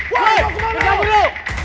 woi kejadian dulu